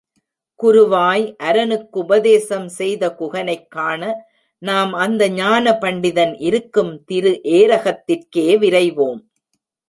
குருவாய் அரனுக்கு உபதேசம் செய்த குகனைக் காண நாம் அந்த ஞானபண்டிதன் இருக்கும் திரு ஏரகத்திற்கே விரைவோம்.